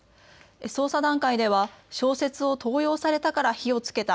捜査段階では小説を盗用されたから火をつけた。